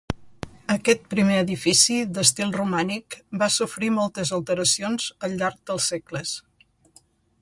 Aquest primer edifici, d'estil romànic, va sofrir moltes alteracions al llarg dels segles.